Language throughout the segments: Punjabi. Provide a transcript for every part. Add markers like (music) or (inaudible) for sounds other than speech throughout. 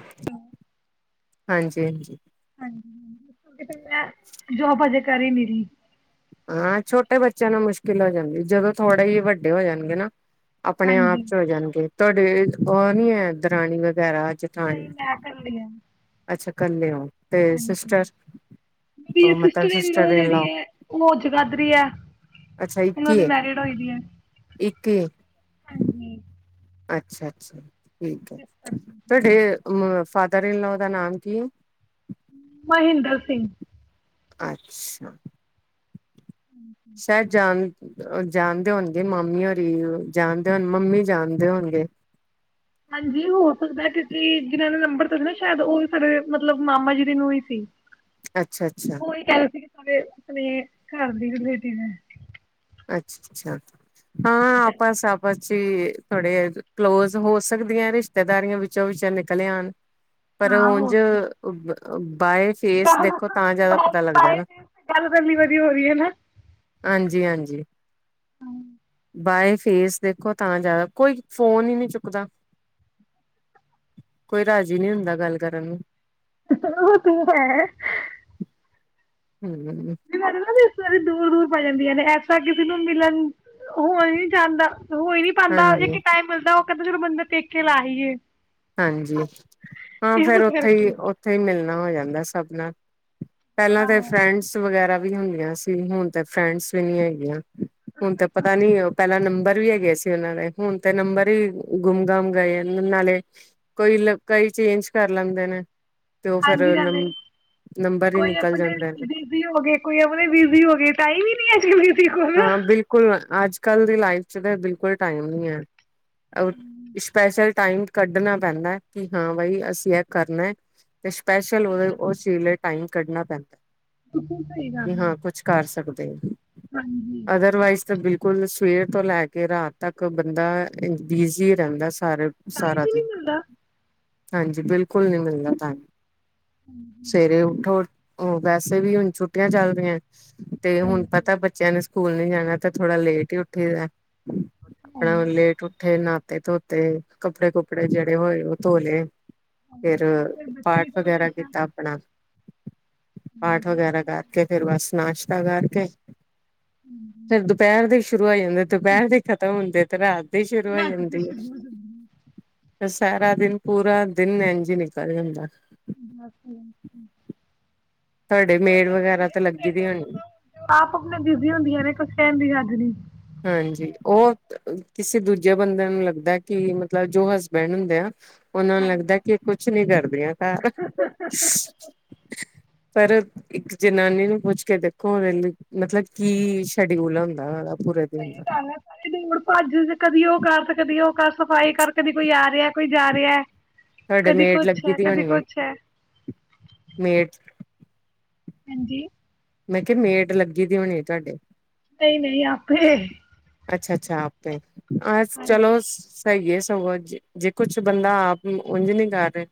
(unintelligible) ਹਾਂਜੀ ਹਾਂਜੀ। ਹਾਂਜੀ, ਤੇ ਫਿਰ ਮੈਂ ਜੋਬ ਅਜੇ ਕਰ ਈ ਨੀ ਰੀ। ਹਾਂ ਛੋਟੇ ਬੱਚਿਆਂ ਨੂੰ ਮੁਸ਼ਕਿਲ ਹੋ ਜਾਂਦੀ, ਜਦੋਂ ਥੋੜੇ ਹੀ ਵੱਡੇ ਹੋ ਜਾਣਗੇ ਨਾ ਆਪਣੇ ਆਪ ਚ ਹੋ ਜਾਣਗੇ। ਤੁਹਾਡੇ ਉਹ ਨੀ ਐ, ਦਰਾਣੀਆਂ। (unintelligible) ਅੱਛਾ ਕੱਲੇ ਓ। ਹਾਂਜੀ ਮੇਰੀ ਮਤਲਬ ਸਿਸਟਰ ਇਨਲਾ ਇਨ ਜਿਹੜੀ ਲਾ ਐ, ਉਹ ਜਗਾਦਰੀ ਐ, ਅੱਛਾ ਉਹਨਾ ਦੀ ਮੈਰਿਡ ਹੋਈ ਦੀ ਐ। ਕੀ। ਅੱਛਾ- ਅੱਛਾ। (inaudible) ਫਾਦਰਰ ਇਨ ਲਓ ਦਾ ਨਾਮ ਕੀ। ਮਹਿੰਦਰ ਸਿੰਘ। ਅੱਛਾ। ਸ਼ਹਿਜਾਨ ਉਹ ਜਾਣਦੇ ਹੋਣਗੇ ਮਾਮੀ ਹੋਰੀ ਨੂੰ, ਜਾਣਦੇ ਹੋਣ ਮੰਮੀ ਜਾਣਦੇ ਹੋਣਗੇ। ਹਾਂਜੀ ਹੋ ਸਕਦਾ ਕਿਉਂਕਿ ਜਿਨਾਂ ਨੇ ਨੰਬਰ ਦਿੱਤਾ ਨਾ ਸ਼ਾਇਦ ਉਹ ਸਾਡੇ ਮਤਲਬ ਮਾਮਾ ਜੀ ਦੇ ਨੂੰ ਹੀ ਸੀ। ਅੱਛਾ-ਅੱਛਾ। ਆਪੇ ਆਪਣੇ ਘਰ ਦੇ ਰਿਲੇਟਿਵ ਐ। ਅੱਛਾ- ਅੱਛਾ। ਹਾਂ ਆਪਸ- ਆਪਸ ਸੀ ਥੋੜੇ ਕਲੋਜ ਹੋ ਸਕਦੀਆਂ ਰਿਸ਼ਤੇਦਾਰੀਆਂ ਵਿੱਚੋਂ -ਵਿੱਚੋਂ ਨਿਕਲ ਆਣ। ਪਰ ਹਾਂ ਹੋ ਉੰਝ। ਸਕਦਾ ਹਾਂ। (unintelligible) ਬਾਏ ਫੇਸ ਦੇਖੋ ਤਾਂ ਜਿਆਦਾ ਬਾਏ ਪਤਾ ਲੱਗਦਾ ਬਾਏ ਨਾ। ਗੱਲ ਕਰਨੀ ਵਧੀਆ ਹੋ ਰਹੀ ਹਾਂਜੀ-ਹਾਂਜੀ ਹਮ। ਬਾਏ ਫੇਸ ਦੇਖੋ ਤਾਂ ਜ਼ਿਆਦਾ ਕੋਈ ਫੋਨ ਹੀ ਨਹੀਂ ਚੁੱਕਦਾ। ਕੋਈ ਰਾਜ਼ੀ ਨਹੀਂ ਹੁੰਦਾ ਗੱਲ ਕਰਨ ਨੂੰ। ਉਹ ਤ ਹੈ। (unintelligible) ਹੂ ਹੂ ਸਾਰੀ ਦੂਰ -ਦੂਰ ਪੈ ਜਾਂਦੀਆਂ ਨੇ ਐਸਾ ਕਿਸੇ ਨੂੰ ਮਿਲਣ ਹੋਣ ਨੀ ਚਾਹੁੰਦਾ। ਹੋ ਨੀ ਪਾਉਦਾ ਹਾਂਜੀ ਇਕ ਟਾਈਮ ਮਿਲਦਾ। ਕਦੀ ਤਾਂ ਬੰਦਾ ਪੇਕੇ ਲਾ ਆਇਏ ਹਾਂਜੀ ਹਾਂ ਫੇਰ ਉੱਥੇ ਹੀ, ਕਰਕੇ ਉੱਥੇ ਹੀ ਮਿਲਣਾ। ਹੋ ਜਾਂਦਾ ਸਭ ਨਾਲ। ਪਹਿਲਾਂ ਹਾਂ ਤੇ ਫਰੈਂਡਸ ਵਗੈਰਾ। ਵੀ ਹੁੰਦੀਆਂ ਸੀ ਹੁਣ ਤਾਂ ਫਰੈਂਡਸ ਵੀ ਨਹੀਂ ਹੈਗੀਆਂ। ਹੁਣ ਤੇ ਪਤਾ ਨੀ ਪਹਿਲਾ ਨੰਬਰ। ਵੀ ਹੈਗੇ ਸੀ ਉਹਨਾਂ ਦੇ ਹੁਣ ਤੇ ਨੰਬਰ ਹੀ ਗੁੰਮ ਗਮ ਗਏ ਨਾਲੇ ਕੋਈ ਕਈ ਚੇਂਜ ਕਰ ਲੈਂਦੇ ਨੇ ਤੇ ਉਹ ਹਾਂਜੀ ਫੇਰ ਨਮ ਨਾਲੇ ਨਮ ਕੋਈ ਆਪਣੇ ਬਿਜੀ ਹੋ ਗਏ ਕੋਈ ਆਪਣੇ ਬਿਜ਼ੀ ਹੋ ਗਏ ਟਾਈਮ ਹੀ ਨੀ ਹੈ (unintelligible) ਹਾਂ ਸਹੀ ਬਿਲਕੁਲ ਅੱਜ ਕੱਲ ਦੀ ਲਾਈਫ ਚ ਤਾਂ ਬਿਲਕੁਲ ਟਾਈਮ ਨਹੀਂ ਹੈ ਸਪੈਸ਼ਲ ਟਾਈਮ ਕੱਢਣਾ ਪੈਂਦਾ ਕਿ ਹਾਂ ਬਾਈ ਅਸੀਂ ਇਹ ਕਰਨਾ ਹੈ ਅਤੇ ਸਪੈਸ਼ਲ ਉਹਦੇ ਗੱਲ ਹੈ ਉਸ ਚੀਜ਼ ਲਈ ਟਾਈਮ ਕੱਢਣਾ ਪੈਂਦਾ ਬਿਲਕੁਲ ਸਹੀ ਕਿ ਗੱਲ ਹੈ ਹਾਂ ਕੁਛ ਕਰ ਸਕਦੇ ਹੋ ਹਾਂਜੀ ਅਦਰ ਵਾਈਸ ਤੇ ਬਿਲਕੁਲ ਸਵੇਰ ਤੋਂ ਲੈ ਕੇ ਰਾਤ ਤੱਕ ਬੰਦਾ ਬਿਜੀ ਰਹਿੰਦਾ ਸੀ ਸਾਰੇ ਟਾਈਮ ਸਾਰਾ ਹੀ ਦਿਨ ਨਹੀਂ ਮਿਲਦਾ ਹਾਂਜੀ ਬਿਲਕੁਲ ਨਹੀਂ ਮਿਲਦਾ ਟਾਈਮ ਸਵੇਰੇ ਉਠੋ ਉਹ ਵੈਸੇ ਵੀ ਹੁਣ ਛੁੱਟੀਆਂ ਚੱਲ ਰਹੀਆਂ ਤੇ ਹੁਣ ਹਾਂਜੀ ਪਤਾ ਬੱਚ ਐਨੇ ਸਕੂਲ ਨੀ ਜਾਣਾ ਤਾਂ ਥੋੜਾ ਲੇਟ ਹੀ ਉੱਠੀ ਦਾ ਨਹੀਂ ਆਪਣਾ ਲੇਟ ਉੱਠੇ ਨਾ ਤੇ ਧੋਤੇ ਕੱਪੜੇ-ਕੁੱਪੜੇ ਜਿਹੜੇ ਹੋਏ ਉਹ ਧੋ ਲੇ। ਫਿਰ, ਹਾਂਜੀ ਫਿਰ ਬੱਚੇ ਪਾਠ ਦੀ ਵਗੈਰਾ ਫਰਮਾਇਸ਼ਾਂ ਕੀਤਾ ਆਪਣਾ। ਪਾਠ ਵਗੈਰਾ ਕਰਕੇ ਫਿਰ ਬਸ ਨਾਸ਼ ਤਾਂ ਕਰਕੇ ਫਿਰ ਦੁਪਹਿਰ ਦੇ ਸ਼ੁਰੂ ਹੋ ਜਾਂਦੇ ਦੁਪਹਿਰ ਦੇ ਖਤਮ ਹੁੰਦੇ ਤੇ ਰਾਤ ਦੀ ਸ਼ੁਰੂ ਹੋ ਰਾਤ ਦੇ ਜਾਂਦੀ ਹੈ ਸ਼ੁਰੂ ਹੋ ਜਾਂਦੀਆਂ ਏ। ਸਾਰਾ ਦਿਨ ਪੂਰਾ ਦਿਨ ਇੰਝ ਹੀ ਨਿਕਲ ਜਾਂਦਾ। (unintelligible) (unintelligible) ਤੁਹਾਡੇ ਮੇਡ ਵਗੈਰਾ ਤਾਂ ਲੱਗੀ ਦੀ ਹੋਣੀ ਆਪ ਆਪਣਾ ਬਿਜ਼ੀ ਹੁੰਦੀਆਂ ਨੇ ਕੁਛ ਕਹਿਣ ਦੀ ਹੱਦ ਨੀ। ਹਾਂਜੀ ਉਹ ਕਿਸੇ ਦੂਜੇ ਬੰਦੇ ਨੂੰ ਲੱਗਦਾ ਕਿ ਮਤਲਬ ਜੋ ਹਸਬੈਂਡ ਹੁੰਦੇ ਆ ਉਹਨਾ ਨੂੰ ਲੱਗਦਾ ਕਿ ਕੁਛ ਨੀ ਕਰਦੀਆਂ ਘਰ। ਪਰ ਇੱਕ ਜਨਾਨੀ ਨੂੰ ਪੁੱਛ ਕੇ ਦੇਖੋ ਉਹਦੇ ਲਈ ਮਤਲਬ ਕੀ ਸ਼ਡਿਊਲ ਹੁੰਦਾ ਉਹਦਾ। ਪੂਰੇ ਸਹੀ ਦਿਨ ਦਾ ਗੱਲ ਐ ਕਦੀ ਭੱਜ, ਕਦੀ ਉਹ ਕਰ ਤੇ ਕਦੀ ਉਹ ਕਰ ਸਫ਼ਾਈ ਕਰ ਕਦੀ ਕੋਈ ਆ ਰਿਹਾ ਕੋਈ ਜਾ ਰਿਹਾ ਤੁਹਾਡੇ ਕਦੀ ਮੇਡ ਕੁਛ ਲੱਗੀ ਦੀ ਕਦੀ ਹੋਣੀ ਹੈ, ਕੁਛ ਮੇਡ। ਹਾਂਜੀ ਮੈਂ ਕਿਹਾ ਮੇਡ ਲੱਗੀ ਦੀ ਹੋਣੀ ਤੁਹਾਡੇ। ਨਹੀਂ-ਨਹੀਂ ਆਪੇ ਅੱਛਾ-ਅੱਛਾ ਆਪੇ ਅਹ ਚਲੋ ਸਹੀ ਏ। ਸਗੋਂ ਜੇ ਕੁਛ ਬੰਦਾ ਆਪ ਉੰਝ ਨੀ ਕਰ ਰਿਹਾ,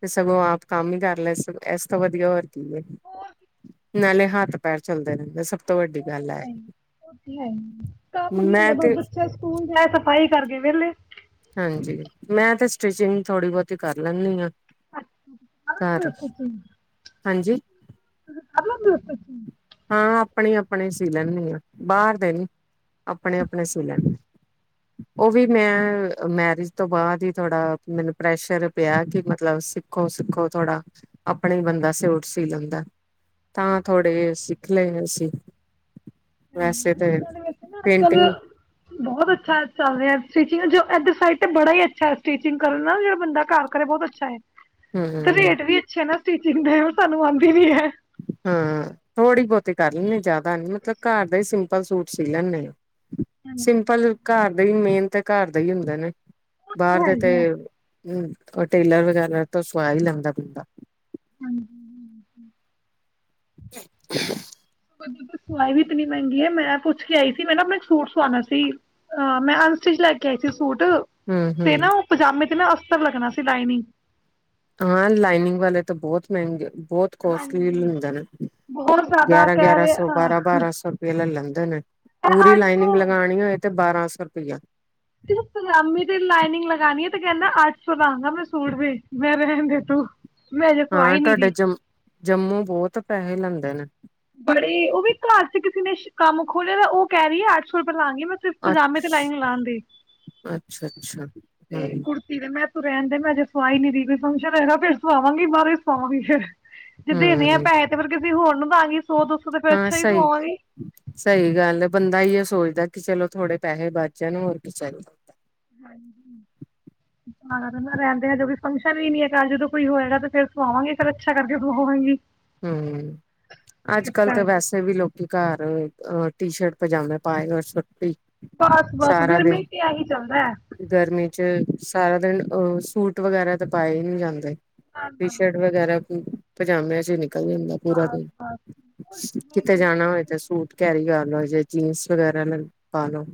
ਤੇ ਸਗੋਂ ਆਪ ਕੰਮ ਹੀ ਕਰ ਲੈ ਇਸ ਤੋਂ ਵਧੀਆ ਹੋਰ ਕੀ ਏ। ਨਾਲੇ ਹੱਥ-ਪੈਰ ਚੱਲਦੇ ਰਹਿੰਦੇ। ਤੋਂ ਵੱਡੀ ਗੱਲ ਹੈ ਹਾਂਜੀ ਲੈ ਆਉਨੀ ਆ ਕੰਮ ਕੀ ਮੈਂ ਹੁੰਦਾ ਬਸ ਤੇ ਬੱਚੇ ਸਕੂਲ ਜਾਏ ਸਫ਼ਾਈ ਕਰਕੇ ਵਿਹਲੇ। ਹਾਂਜੀ, ਮੈਂ ਤੇ ਸਟਿਚਿੰਗ ਥੋੜ੍ਹੀ ਬਹੁਤੀ ਕਰ ਲੈਂਨੀ ਆ। ਅੱਛਾ (unintelligible) ਸਟੀਚਿੰਗ ਹਾਂਜੀ ਤੁਸੀਂ ਕਰ ਲੈਂਦੇ ਓ ਸਟੀਚਿੰਗ? ਹਾਂ ਆਪਣੇ-ਆਪਣੇ ਸੀ ਲੈਂਨੀ ਆ, ਬਾਹਰ ਦੇ ਨੀ, ਆਪਣੇ-ਆਪਣੇ ਸੀ ਲੈਨੀ। ਉਹ ਵੀ ਮੈਂ ਮੈਰਿਜ ਉਸ ਤੋਂ ਬਾਅਦ ਹੀ ਥੋੜਾ ਮੈਨੂੰ ਪ੍ਰੈਸ਼ਰ ਪਿਆ ਕਿ ਮਤਲਬ ਸਿੱਖੋ-ਸਿੱਖੋ ਥੋੜਾ, ਆਪਣਾ ਈ ਬੰਦਾ ਸੂਟ ਸੀ ਲੈਂਦਾ। ਤਾਂ ਥੋੜੇ ਸੀ ਸਿੱਖ ਲਏ ਅਸੀਂ (unintelligible) ਵੈਸੇ ਤੇ ਦਾ ਵੈਸੇ ਨਾ ਅੱਜ-ਕੱਲ, ਪੇਂਟਿੰਗ ਬਹੁਤ ਅੱਛਾ ਚੱਲ ਰਿਹਾ ਸਟੀਚਿੰਗ ਚ ਇੱਧਰ ਸਾਡੇ ਤੇ ਬੜਾ ਹੀ ਅੱਛਾ ਹੈ ਸਟੀਚਿੰਗ ਕਰਨ ਨਾਲ ਜਿਹੜਾ ਬੰਦਾ ਘਰ ਕਰੇ ਬਹੁਤ ਅੱਛਾ ਏ। ਤਾਂ ਹਮ ਰੇਟ ਵੀ ਅੱਛੇ ਨਾ ਸਟੀਚਿੰਗ ਤਾਂ ਸਾਨੂੰ ਆਂਦੀ ਨੀ ਹੈ। ਹਾਂ, ਥੋੜ੍ਹੀ ਬਹੁਤੀ ਕਰ ਲੈਂਨੀ ਜ਼ਿਆਦਾ ਨੀ ਮਤਲਬ ਘਰ ਦਾ ਈ ਸਿੰਪਲ ਸੂਟ ਸੀ ਲੈਂਨੇ ਆ। ਹੈਗੇ ਸਿੰਪਲ ਘਰ ਦੇ ਮੇਨ ਤੇ ਘਰ ਦਾ ਹੀ ਹੁੰਦਾ ਨੇ ਬਾਹਰ ਦੇ ਤੇ ਆ ਹੂੰ ਉਹ ਟੇਲਰ ਵਗੈਰਾ ਤੋਂ ਸੁਆ ਹੀ ਲੈਂਦਾ ਬੰਦਾ ਹਾਂਜੀ (unintelligible) ਸਵਾਈ ਵੀ ਇਤਨੀ ਮਹਿੰਗੀ ਹੈ ਮੈਂ ਪੁੱਛ ਕੇ ਆਈ ਸੀ। ਮੈਂ ਨਾ ਇੱਕ ਸੂਟ ਸਵਾਉਣਾ ਸੀ ਅ ਮੈਂ ਅਨਸਟਿਚ ਲੈ ਕੇ ਆਈ ਸੀ। ਸੂਟ ਤੇ ਹੂੰ-ਹੂੰ ਨਾ ਉਹ ਪਜਾਮੇ ਤੇ ਨਾ (unintelligible) ਪੱ (unintelligible) ਲੱਗਣਾ ਸੀ ਲਾਇਨੀ ਹਾਂ ਲਾਈਨਿੰਗ ਵਾਲੇ ਤਾਂ ਬਹੁਤ ਮਹਿੰਗੇ ਬਹੁਤ ਕੋਸਟਲੀ ਹੁੰਦੇ ਨੇ ਬਹੁਤ ਜ਼ਿਆਦਾ ਕਹਿ ਗਿਆਰਾਂ-ਗਿਆਰਾਂ ਰਹੇ ਸੌ ਹਾਂ ਬਾਰਾਂ-ਬਾਰਾਂ ਸੌ ਰੁਪਏ ਲੈ ਲੈਂਦਾ ਨਾ (unintelligible) ਮੈਂ ਪੂਰੀ ਅੱਠ ਲਾਈਨਿੰਗ ਸੌ ਲਗਾਣੀ ਹੋਏ ਤੇ ਬਾਰਾਂ ਸੌ ਗ਼ਰਕ ਜਾ ਤੇ ਜੇ ਪਜਾਮੀ ਤੇ ਲਾਈਨਿੰਗ ਲਗਾਣੀ ਆ ਤੇ ਕਹਿੰਦਾ ਅੱਠ ਸੌ ਲਾਗਾ ਮੈਂ ਸੂਟ ਵੀ ਮੈਂ ਰਹਿੰਦੇ ਤੂੰ ਹਾਂ ਤੁਹਾਡੇ ਜੰਮ ਜੰਮੂ ਬਹੁਤ ਪੈਸੇ ਲੈਂਦੇ ਨਾ (inaudible) ਬੜੇ ਉਹ ਵੀ ਘਰ ਚ ਕਿਸੇ ਨੇ ਕੰਮ ਖੋਲ੍ਹਿਆ ਤਾਂ ਉਹ ਕਹਿ ਰਹੀ ਹੈ ਅੱਠ ਸੌ ਰੁਪਏ ਲਾਂਗੀ ਮੈਂ ਸਿਰਫ਼ ਅ ਪਜਾਮੇ ਤੇ ਲਾਈਨਿੰਗ ਲਾਉਣ ਦੀ ਅੱਛਾ-ਅੱਛਾ ਤੇ ਕੁੜਤੀ ਦੇ ਮੈਂ ਤੂੰ ਰਹਿਣ ਦੇ ਮੈਂ ਅਜੇ ਸਵਾਈ ਨੀ ਰਹੀ ਕੋਈ ਫੰਕਸ਼ਨ ਹੋਏਗਾ ਫਿਰ ਸਵਾਵਾਂਗੀ ਬਾਹਰੋਂ ਹੀ ਸਵਾਵਾਂਗੀ ਫੇਰ ਜੇ ਦੇਣੇ ਆ ਹੂੰ-ਹੂੰ ਪੈਸੇ ਤੇ ਫਿਰ ਹੋਰ ਨੂੰ (unintelligible) ਸੌ ਤੇ ਫਿਰ ਹਾਂ ਅੱਛਾ ਹੀ ਸਹੀ ਸਵਾਵਾਂਗੀ ਸਹੀ ਗੱਲ ਏ ਬੰਦਾ ਸੋਚਦਾ ਕਿ ਚਲੋ ਥੋੜੇ ਪੈਸੇ ਬਚ ਜਾਣ ਹੋਰ ਕੀ ਚਾਹੀਦਾ ਹ ਰਹਿੰਦੇ ਹਜੇ ਕੋਈ ਫੰਕਸ਼ਨ ਵੀ ਨੀ ਹੈ ਘਰ ਜਦੋਂ ਕੋਈ ਹੋਏਗਾ ਤੇ ਫਿਰ ਸਵਾਵਾਂਗੀ ਫੇਰ ਅੱਛਾ ਕਰਕੇ ਸਵਾਵਾਂਗੀ। ਹੂੰ ਅੱਜ ਇਸ ਕੱਲ੍ਹ ਤਾਂ ਕਰਕੇ ਵੈਸੇ ਵੀ ਲੋਕੀ ਘਰ ਅ ਟੀ ਸ਼ਰਟ ਪਜਾਮੇ ਪਾਏ ਅਰ ਸੁੱਟੀ ਬਸ ਬਸ ਸਾਰਾ ਗਰਮੀ ਦਿਨ ਤੇ ਆਹੀ ਚੱਲਦਾ ਹੈ ਗਰਮੀ ਚ ਸਾਰਾ ਦਿਨ ਅਹ ਸੂਟ ਵਗੈਰਾ ਤੇ ਪਾਏ ਹੀ ਨੀ ਜਾਂਦੇ। ਟੀ ਸ਼ਰਟ ਵਗੈਰਾ ਹੀ ਪਜਾਮਿਆਂ ਚ ਹੀ ਨਿ (unintelligible) ਐ ਈ ਹੁੰਦਾ ਪੂਰਾ ਹਾਂ ਦਿਨ ਕਿਤੇ ਜਾਣਾ ਹੋਏ ਤੇ ਸੂਟ ਕੈਰੀ ਕਰ ਲਏ ਜੇ ਜੀਨਸ ਵਗੈਰਾ ਮ ਪਾ ਲੋ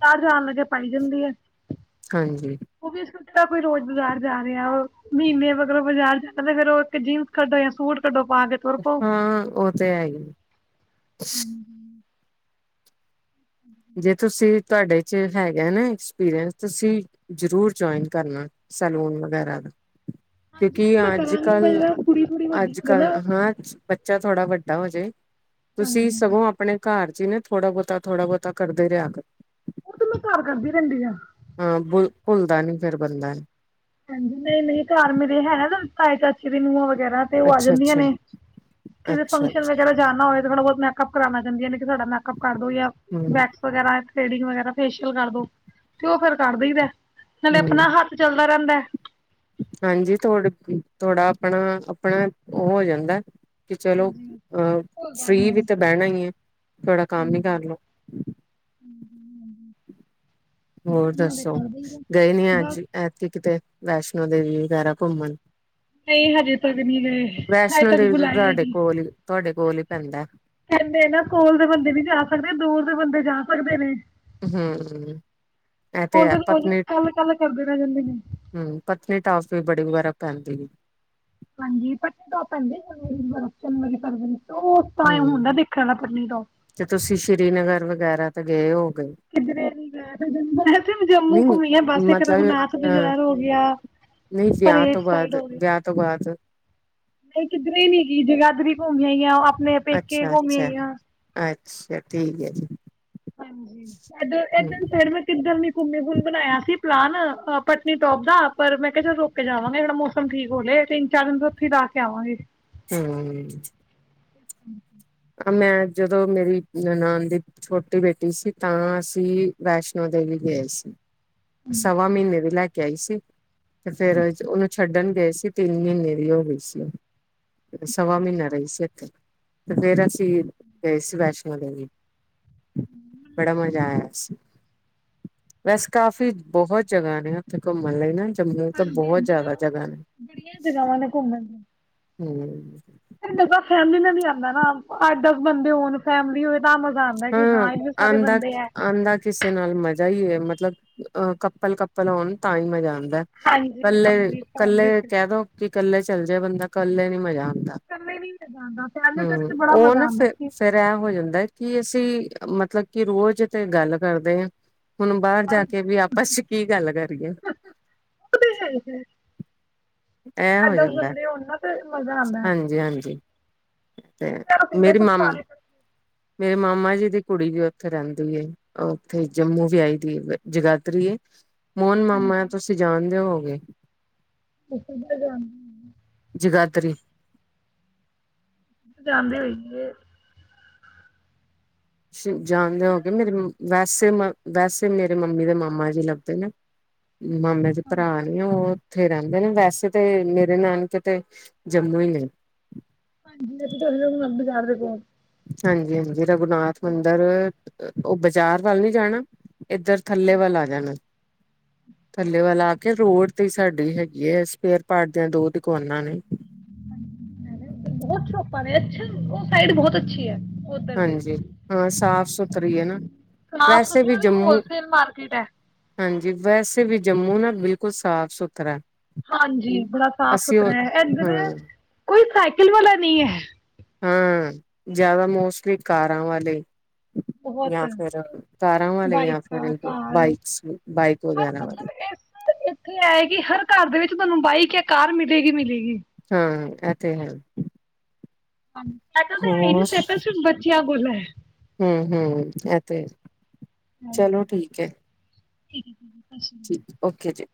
ਬਾਹਰ ਜਾਣ ਲੱਗੇ ਪਾਈ ਦੀ ਹੁੰਦੀ ਏ। ਹਾਂਜੀ ਤਾਂ ਕੋਈ ਰੋਜ਼ ਬਜ਼ਾਰ ਜਾ ਰਿਹਾ ਉਹ ਮਹੀਨੇ ਮਗਰੋਂ ਬਾਜ਼ਾਰ ਜਾਂਦਾ ਤੇ ਫੇਰ ਉਹ ਇੱਕ ਜੀਨਸ ਕੱਢੋ ਜਾਂ ਸੂਟ ਕੱਢੋ। ਪਾ ਕੇ ਤੁਰ ਪਓ। ਹਾਂ ਉਹ ਤੇ ਹੈ ਹੀ ਜੇ ਤੁਸੀਂ ਤੁਹਾਡੇ ਚ ਹੈਗੇ ਨਾ ਐਸ ਪੀਰੀਅਸ ਤੁਸੀਂ ਜਰੂਰ ਜਇਨ ਕਰਨਾ ਸੈਲੂਨ ਵਗੈਰਾ ਦਾ ਕਿਉਂਕਿ ਅੱਜ ਕੱਲ ਅੱਜ ਕੱਲ ਹਾਂ ਬੱਚਾ ਥੋੜਾ ਵੱਡਾ ਵਜੇ (inaudible) ਤੁਸੀਂ ਸਗੋਂ ਆਪਣੇ ਘਰ ਜੀਨੇਂ ਥੋੜਾ ਬਹੁਤਾ ਥੋੜਾ ਬਹੁਤ ਤਾਂ ਕਰੱਦੇ ਰਿਹਾ ਕਰੋ ਉਹ ਤੂੰ ਮੈਂ ਘਰ ਕਰਦੀ ਰਹਿੰਦੀ ਆ ਹਾਂ ਭ ਭੁੱਲਦਾ ਨੀ ਫੇਿਰ ਬੰਦਾ ਨ ਖ ਚਸੀਨੂੰ (unintelligible) ਵਗਰਾ ਤੇ ਉਹ ਆ ਅੱਛਾ ਜਾਂਦੀਆਂ ਅੱਛਾ ਨੇ ਕਿਸੇ ਅੱਛਾ ਫੰਕਸ਼ਨ ਅੱਛਾ ਵਗੈਰਾ ਜਾਣਾ ਹੋਵੇ ਥੋੜਾ ਬਹੁਤ ਮੇਕਅਪ ਕਰਾਣਾ ਜਾਂਦੀਆਂ ਨੇ ਸਾਡਾ ਮੇਕਅਪ ਕਰ ਦੋ ਜਾਂ ਹਮ ਵੈਕਸ ਵਗੈਰਾ ਥਡਿੰਗ ਵਗੈਰਾ ਫੇਸ਼ੀਅਲ ਕਰ ਦੋ ਤੇ ਉਹ ਫੇਰ ਕਰ ਦੇਈ ਦਾ ਹੈ ਨਾਲੇ ਹਮ ਆਪਣਾ ਹੱਥ ਚੱਲਦਾ ਕਰ ਆਂਦਾ ਐ ਹਾਂਜੀ ਥੋ ਥੋੜਾ ਆਪਣਾ ਆਪਣਾ ਉਹ ਹੋ ਜਾਂਦਾ ਕਿ ਚਲੋ ਅਹ ਫ੍ਰੀ ਵੀ ਤੇ ਬਹਿਣਾ ਹੀ ਹੈ। ਥੋੜਾ ਕੰਮ ਹੀ ਕਰ ਲਓ ਹੋਰ ਦੱਸੋ ਗਏ ਨੀ ਅੱਜ ਐਤਕੀ ਕਿਤੇ ਵੈਸ਼ਨੋ ਦੇਵੀ ਵਗੈਰਾ ਘੁੰਮਣ ਨਹੀਂ ਹਜੇ ਤੱਕ ਨਹੀਂ ਗਏ, ਹਜੇ ਵੈਸ਼ਨੋ ਤੱਕ ਬੁਲਾਇਆ ਹੀ ਨਹੀਂ। ਪੈਦਾ। ਕਹਿੰਦੇ ਨਾ ਕੋਲ ਦੇ ਬੰਦੇ ਨੀ ਜਾ ਸਕਦੇ, ਦੂਰ ਦੇ ਬੰਦੇ ਜਾ ਸਕਦੇ ਨੇ। ਹੂੰ, ਇਹ ਤੇ ਕੋਲ ਹੈ, ਦੇ ਲੋਕ ਪਤਲੀ ਕੱਲ ਕੱਲ ਕਰਦੇ ਰਹਿ ਜਾਂਦੇ ਨੇ ਹੂੰ, ਪਤਲੀਟਾਪ ਵੀ ਬੜੀ (unintelligible) ਤਾਂ ਪੈਂਦੀ ਵੀ। ਹਾਂਜੀ, ਪਤਨੀਟੋਪ (inaudible) ਉਸ ਟਾਈਮ ਹਮ ਹੁੰਦਾ ਦੇਖਣ ਦਾ ਤੇ ਤੁਸੀਂ ਸ੍ਰੀਨਗਰ ਵਗੈਰਾ (inaudible) ਗਏ ਹੋ ਕਿਧਰੇ ਨਹੀ ਗਏ, ਮੈਂ ਸਿਰਫ਼ ਜੰਮੂ ਘੁੰਮੀ ਆ, ਨਹੀਂ ਬਸ ਇੱਕ ਮਤਲਬ ਰਘੁਨਾਥ ਅਹ ਬਾਜ਼ਾਰ ਹੋ ਗਿਆ, ਨਹੀਂ ਵਿਆਹ ਪਰੇਡ ਤੋਂ ਬਾਅਦ ਸਾਈਡ ਹੋ ਗਈ, ਵਿਆਹ ਤੋਂ ਬਾਅਦ ਇਹ ਕਿੱਧਰੇ ਨੀ ਗਈ ਜਗਾਦਰੀ ਗਈ ਆ, ਉਹ ਅੱਛਾ, ਅੱਛਾ, ਅੱਛਾ, ਠੀਕ ਹੈ ਜੀ। ਹਾਂਜੀ ਇਧਰੇ ਹਮ ਇਧਰ ਸਾਈਡ ਮੈਂ ਕਿੱਧਰ ਨੀ ਘੁੰਮੀ, ਫਿਰ ਹੁਣ ਬਣਾਇਆ ਸੀ ਪਲਾਨ ਹਨਾ ਪਤਨੀਟੋਪ ਦਾ ਪਰ ਮੈਂ ਕਿਹਾ ਚਲ ਰੁੱਕ ਕੇ ਜਾਵਾਂਗੇ, ਥੋੜਾ ਮੌਸਮ ਠੀਕ ਹੋਜੇ, ਤਿੰਨ ਚਾਰ ਦਿਨ ਤੋਂ ਉੱਥੇ ਲਾ ਕੇ ਆਵਾਂਗੇ ਹੂੰ। (unintelligible) ਮੈਂ ਜਦੋਂ ਮੇਰੀ ਨਨਾਣ ਦੀ ਛੋਟੀ ਬੇਟੀ ਸੀ ਤਾਂ ਅਸੀਂ ਵੈਸ਼ਨੋ ਦੇਵੀ ਗਏ ਸੀ। ਸਵਾ ਮਹੀਨੇ ਵੀ ਲੈਕੇ ਗੲੇ ਸੀ। ਤੇ ਫੇਰ (unintelligible) ਉਹਨੂੰ ਛੱਡਣ ਗਏ ਸੀ, ਤਿੰਨ ਮਹੀਨੇ ਦੀ ਹੋ ਗਈ ਸੀ। ਸਵਾ ਮਹੀਨਾ ਰਹੀ ਸੀ ਇੱਥੇ। ਤੇ ਫੇਰ ਅਸੀਂ ਗਏ ਸੀ, ਵੈਸ਼ਨੋ ਦੇਵੀ। ਬੜਾ ਮਜ਼ਾ ਆਇਆ ਸੀ। ਵੈਸੇ ਕਾਫ਼ੀ ਬਹੁਤ ਜਗ੍ਹਾ ਨੇ ਉੱਥੇ ਘੁੰਮਣ ਲਈ ਨਾ। ਜੰਮੂ ਤਾਂ ਹਾਂਜੀ ਬਹੁਤ (unintelligible) ਜ਼ਿਆਦਾ ਜਗ੍ਹਾ ਨੇ। ਬੜੀਆਂ ਜਗਾਵਾਂ ਨੇ ਘੁੰਮਣ ਨੂੰ। ਹੂ। ਮਜਾ ਫੈਮਲੀ ਨਾਲ ਵੀ ਆਉਂਦਾ ਨਾ ਅੱਠ ਦਸ ਬੰਦੇ ਹੋਣ ਫੈਮਲੀ ਹੋਵੇ। ਹਾਂ, ਆਂਦਾ ਆਂਦਾ ਕਿਸੇ ਨਾਲ ਮਜ਼ਾ ਹੀ ਹੈ। ਮਤਲਬ ਅਹ ਕੱਪਲ ਕੱਪਲ ਹੋਣ ਤਾਂ ਹੀ ਮਜ਼ਾ ਆਉਂਦ ਹਾਂਜੀ ਇਕੱਲੇ ਹਾਂਜੀ ਇਕੱਲੇ ਫੈਮਿਲੀ ਟ੍ਰਿਪ ਕਹਿ ਦੋ ਕਿ ਕੱਲੇ ਚੱਲ ਜਾਏ ਬੰਦਾ, ਕੱਲੇ ਨੀ ਮਜਾ ਆਂ (unintelligible) ਤੇ ਜਾਂਦਾ ਹੂ, ਫੈਮਿਲੀ ਟ੍ਰਿਪ ਤੇ ਬੜਾ ਉਹ ਮਜ਼ਾ ਨਾ ਆਉਂਦਾ ਫਿਰ ਕਿ ਫੇਰ ਐ ਹੋ ਜਾਂਦਾ। ਅਸੀਂ ਮਤਲਬ ਕਿ ਰੋਜ਼ ਤੇ ਗੱਲ ਕਰਦੇ ਹਾਂ, ਹੁਣ ਬਾਹਰ ਜਾ ਕੇ ਵੀ ਆਪਸ ਚ ਕੀ ਗੱਲ ਕਰੀਏ। ਉਹ ਤੇ ਹੈ ਹੀ ਹੈ ਇਹ ਅੱਠ ਹੋ ਦਸ ਜਾਂਦਾ ਬੰਦੇ ਹੋਣ ਨਾ ਤੇ ਮਜ਼ਾ ਆਉਂਦਾ। ਹਾਂਜੀ ਹਾਂਜੀ। ਤੇ ਚਲੋ ਫਿਰ ਮੈਂ ਮਿਰਮਮ, ਤੁਹਾਨੂੰ ਤੇ ਮਾਮਾ ਜੀ ਦੀ ਕੁੜੀ ਵੀ ਉੱਥੇ ਰਹਿੰਦੀ ਹੈ। ਮੋਹਨ ਮਾਮਾ ਤੁਸੀਂ ਜਾਣਦੇ ਹੋ, (unintelligible) (unintelligible) ਜਗਾਤਰੀ, ਜਾਂਦੇ ਹੋਈ ਏ, ਜਾਣਦੇ ਹੋਗੇ ਮੇਰੇ ਵੈਸੇ ਮ ਵੈਸੇ ਮੇਰੇ ਮੰਮੀ ਦੇ ਮਾਮਾ ਜੀ ਲੱਗਦੇ ਨੇ, ਮਾਮੇ ਦੇ ਭਰਾ ਨੀ ਹੋਰ? ਉੱਥੇ ਰਹਿੰਦੇ ਨੇ ਵੈਸੇ ਤੇ ਮੇਰੇ ਨਾਨਕੇ ਕਿਤੇ ਜੰਮੂ ਹੀ ਨੇ, ਬਾਜ਼ਾਰ (unintelligible) ਹਾਂਜੀ- ਹਾਂਜੀ, ਜਗੁਨਾਥ ਮੰਦਿਰ, ਉਹ ਬਾਜ਼ਾਰ ਵੱਲ ਨਹੀਂ ਜਾਣਾ? ਇੱਧਰ ਥੱਲੇ ਵੱਲ ਆ ਜਾਣਾ, ਥੱਲੇ ਵੱਲ ਆ ਕੇ ਰੋਡ ਉਥੇ ਈ ਸਾਡੀ ਹੈਗੀ ਏ ਸਪੇਅਰ ਪਾਰਟ ਦੀਆਂ ਦੋ ਦੁਕਾਨਾਂ ਨੇ। ਬਹੁਤ ਸ਼ੋਪਾ ਨੇ ਅੱਛਾ ਉਹ ਸਾਈਡ ਬਹੁਤ ਅੱਛੀ ਹੈ। ਉਧਰ ਹਾਂਜੀ ਲਈ ਹਾਂ ਸਾਫ਼-ਸੁਥਰੀ ਏ ਨਾ, ਸਾਫ ਵੈਸੇ ਵੀ ਸੁਥਰਾ ਤੇ ਜੰਮੂ, ਹੋਲਸੇਲ ਮਾਰਕੀਟ ਹੈ ਹਾਂਜੀ ਵੈਸੇ ਵੀ ਜੰਮੂ ਉਹ ਨਾ ਬਿਲਕੁਲ ਸਾਫ਼-ਸੁਥਰਾ। ਹਾਂਜੀ ਬੜਾ ਸਾਫ਼-ਸੁਥਰਾ ਏ ਹਾਂ ਇੱਧਰ, ਕੋਈ ਸਾ ਈਕਲ ਵਾਲਾ ਨਹੀਂ ਐ। ਹਾਂ ਜ਼ਿਆਦਾ ਮੋਸਟਲੀ ਕਾਰਾਂ ਵਾਲੇ ਬਹੁਤ ਜਾਂ ਫਿਰ ਕਾਰਾਂ ਵਾਲੇ ਜਾਂ ਫਿਰ ਬਾਈਕਾਂ ਕਾਰ ਬਾਈਕਸ ਬਾਈਕ ਹਰ ਵਗੈਰਾ ਵਾਲੇ। ਮਤਲਬ ਇਸ ਇੱਥੇ ਹੈ ਕਿ ਹਰ ਘਰ ਦੇ ਵਿੱਚ ਤੁਹਾਨੂੰ ਬਾਈਕ ਜਾਂ ਕਾਰ ਮਿਲੇਗੀ-ਮਿਲੇਗੀ। ਹਾਂ ਇਹ ਤੇ ਹੈ। ਏਦਾ ਤਾਂ ਹੈ ਈ ਹੋਰ ਨੀ ਸਾਈਕਲ ਸਿਰਫ ਬੱਚਿਆਂ ਕੋਲ ਹੈ। ਹੂੰ ਇਹ ਤੇ ਹੈ। ਚਲੋ ਠੀਕ ਏ। ਠੀਕ ਏ ਦੀਦੀ। ਠੀਕ ਓਕੇ ਜੀ।